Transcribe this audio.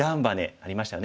ありましたよね